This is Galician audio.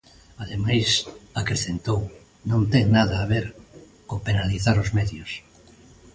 Ademais, acrecentou, "non ten nada a ver con penalizar os medios".